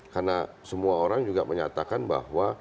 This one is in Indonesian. karena semua orang juga menyatakan bahwa